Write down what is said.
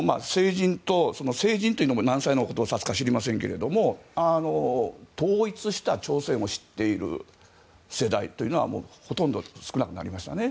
成人というのも何歳を指すのか知りませんけど統一した朝鮮を知っている世代というのはほとんど少なくなりましたね。